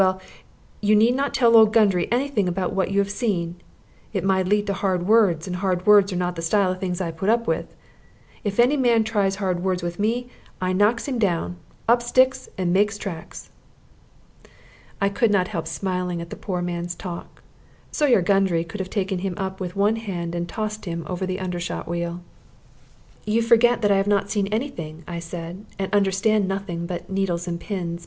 Well, you need not tell old Gundry any thing about what you have seen. It might lead to hard words; and hard words are not the style of thing I put up with. If any man tries hard words with me, I knocks him down, up sticks, and makes tracks." I could not help smiling at the poor man's talk. Sawyer Gundry could have taken him with one hand and tossed him over the undershot wheel. "You forget that I have not seen any thing," I said, "and understand nothing but 'needles and pins.'